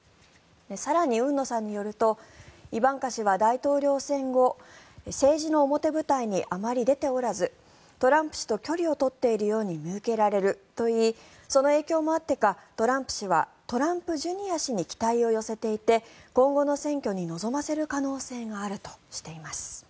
更に、海野さんによるとイバンカ氏は大統領選後政治の表舞台にあまり出ておらずトランプ氏と距離を取っているように見受けられるといいその影響もあってかトランプ氏はトランプ・ジュニア氏に期待を寄せていて今後の選挙に臨ませる可能性があるとしています。